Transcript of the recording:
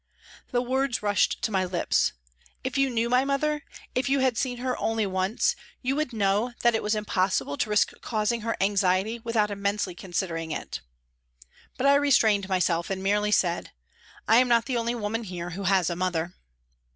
The words rushed to my lips : "If you knew my Mother, if you had seen her only once, you would know that it was impossible to risk causing her anxiety without immensely considering it," but I restrained myself and merely said : "I am not the only woman here who has a mother."